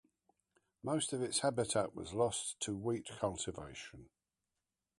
Most of its habitat was lost to wheat cultivation.